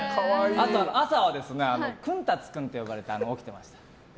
あと朝はくんたつくんって呼ばれて起きてました。